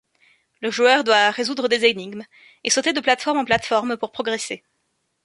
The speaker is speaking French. Le joueur doit résoudre des énigmes et sauter de plates-formes en plates-formes pour progresser.